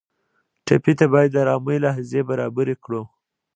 ټپي ته باید د ارامۍ لحظې برابرې کړو.